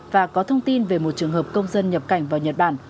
và có thông tin về một trường hợp công dân nhập cảnh vào nhật bản